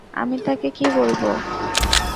আমি তাকে কী বলব?